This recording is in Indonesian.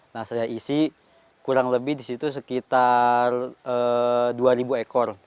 nah saya isi kurang lebih di situ sekitar dua ekor